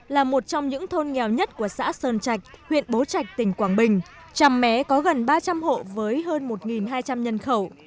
là một trong những thôn nghèo nhất của xã sơn trạch huyện bố trạch tỉnh quảng bình trăm mé có gần ba trăm linh hộ với hơn một hai trăm linh nhân khẩu